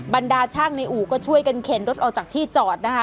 บรรดาช่างในอู่ก็ช่วยกันเข็นรถออกจากที่จอดนะคะ